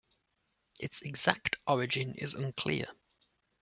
Its exact origin is unclear.